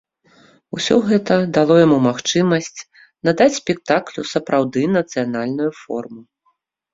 Усё гэта дало яму магчымасць надаць спектаклю сапраўды нацыянальную форму.